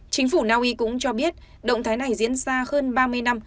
chính phủ naui cũng cho biết động thái này diễn ra hơn ba mươi năm